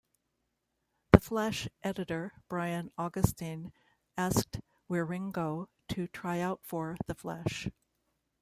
"The Flash" editor Brian Augustyn asked Wieringo to try out for "The Flash".